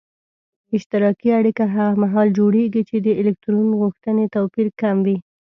اشتراکي اړیکه هغه محال جوړیږي چې د الکترون غوښتنې توپیر کم وي.